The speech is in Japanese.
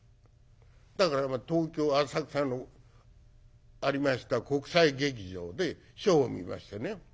だから東京・浅草のありました国際劇場でショーを見ましてね。